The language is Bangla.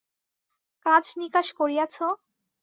কাজ নিকাশ করিয়াছ?